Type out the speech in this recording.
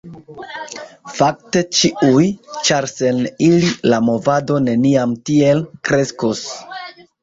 Fakte, ĉiuj, ĉar sen ili, la movado neniam tiel kreskos.